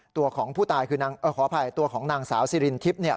ตัวของผู้ตายคือนางขออภัยตัวของนางสาวสิรินทิพย์เนี่ย